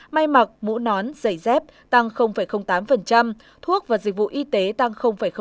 may mặc mũ nón giày dép tăng tám thuốc và dịch vụ y tế tăng năm